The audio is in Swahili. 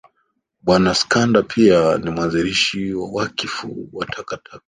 Bwana Skanda pia ni mwanzilishi wa Wakfu wa TakaTaka